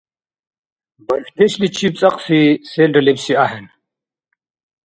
Бархьдешличиб цӀакьси селра лебси ахӀен.